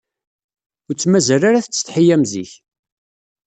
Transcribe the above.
Ur tt-mazal tettsetḥi am zik.